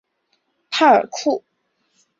帕尔库。